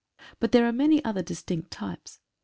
But there are many other distinct types.